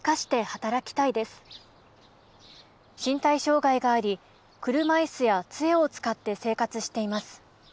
身体障害があり車椅子や杖を使って生活しています。